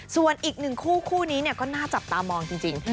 ส่วนอีกหนึ่งคู่คู่นี้ก็น่าจับตามองจริง